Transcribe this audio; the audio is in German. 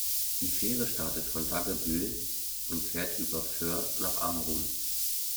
Die Fähre startet von Dagebüll und fährt über Föhr nach Amrum.